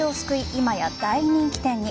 今や大人気店に。